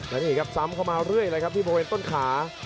และนี่ครับซ้ำเข้ามาเรื่อยเลยครับที่บริเวณต้นขา